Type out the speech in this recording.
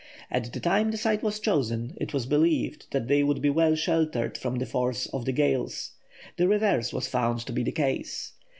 At the time the site was chosen it was believed that they would be well sheltered from the force of the gales. The reverse was found to be the case.